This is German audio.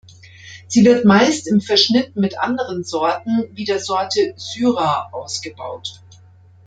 Sie wird meist im Verschnitt mit anderen Sorten wie der Sorte ‘Syrah’ ausgebaut.